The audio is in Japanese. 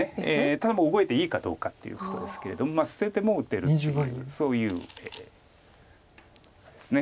ただ動いていいかどうかっていうことですけれども捨てても打てるっていうそういう手なんです。